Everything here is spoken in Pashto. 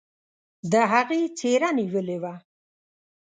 د هغې څيره نيولې وه.